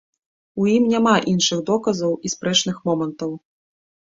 У ім няма іншых доказаў і спрэчных момантаў.